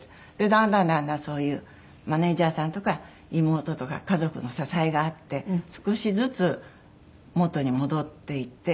だんだんだんだんそういうマネジャーさんとか妹とか家族の支えがあって少しずつ元に戻っていって。